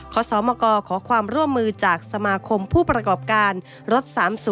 ขอสมกขอความร่วมมือจากสมาคมผู้ประกอบการรถ๓๐